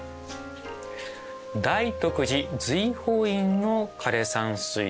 大徳寺瑞峯院の枯山水です。